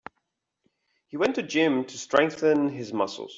He went to gym to strengthen his muscles.